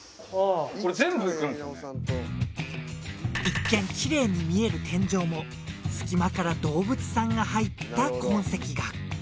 一見キレイに見える天井も隙間から動物さんが入った痕跡が。